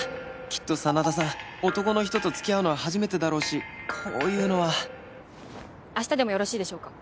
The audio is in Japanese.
きっと真田さん男の人と付き合うのは初めてだろうしこういうのは明日でもよろしいでしょうか？